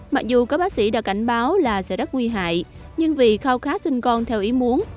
mặc dù các bác sĩ đã cảnh báo là sẽ rất nguy hại nhưng vì khao khát sinh con theo ý muốn